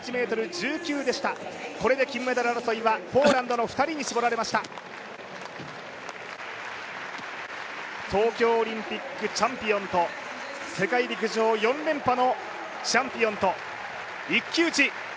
７８ｍ１９でした、これで金メダル争いはポーランドの２人に絞られました東京オリンピックチャンピオンと世界陸上４連覇のチャンピオンと一騎打ち。